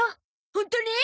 ホントに！？